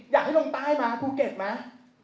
อยากให้ลงใต้มาภูเก็ตไหม